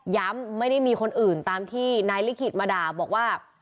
ไม่ได้มีคนอื่นตามที่นายลิขิตมาด่าบอกว่า